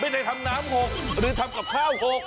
ไม่ได้ทำน้ำ๖หรือทำกับข้าว๖